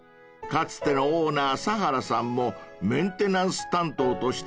［かつてのオーナー佐原さんもメンテナンス担当として勤務］